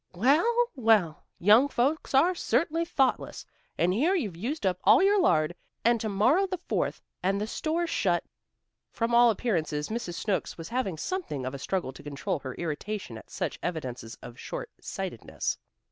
"Well, well! Young folks are certainly thoughtless. And here you've used up all your lard, and to morrow the Fourth, and the store shut." From all appearances Mrs. Snooks was having something of a struggle to control her irritation at such evidences of short sightedness.